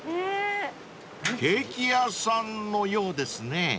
［ケーキ屋さんのようですね］